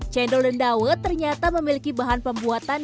cendol dan dawet ternyata memiliki bahan pembuatan